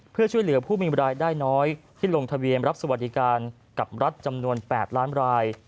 เพื่อช่วยเหลือผู้มีรายได้น้อยที่ลงทะเบียนรับสวัสดิการกับรัฐจำนวน๘ล้านราย